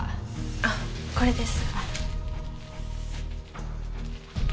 あこれです。